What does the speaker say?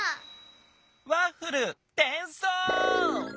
ワッフルてんそう！